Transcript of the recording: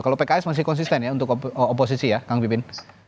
kalau pks masih konsisten ya untuk oposisi ya kang pipin